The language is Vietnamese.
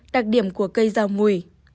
một đặc điểm của cây rau mùi